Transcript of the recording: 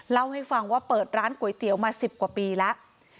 เล่าให้ฟังว่าเปิดร้านก๋วยเตี๋ยวมา๑๐กว่าปีแล้ว